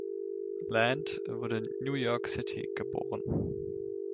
Lande wurde in New York City geboren.